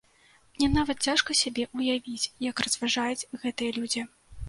Мне нават цяжка сабе ўявіць, як разважаюць гэтыя людзі.